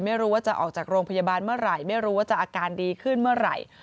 ไม่รู้ว่าจะออกจากโรงพยาบาลเมื่อไหร่ไม่รู้ว่าจะอาการดีขึ้นเมื่อไหร่